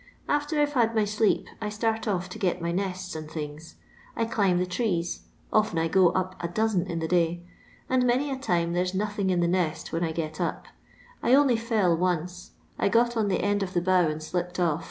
After I 'to had my sleep I start off to get my nests and things. I climb the trees, often I go up a dozen in the day, and many a tine tha« 'i nothing in the nest when I gel npb I only fell once ; I got on the end of the bough and slipped oS.